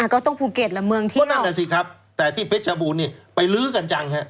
ก็ต้องภูเก็ตหรือเมืองที่ออกก็นั่นแหละสิครับแต่ที่เพชรบูนไปลื้อกันจัง